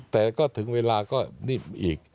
แต่ก็ถึงเวลาก็นิบอีก